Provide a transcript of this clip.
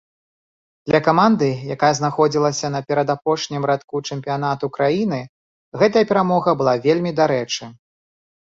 Для каманды, якая знаходзілася на перадапошнім радку чэмпіянату краіны, гэтая перамога была вельмі дарэчы.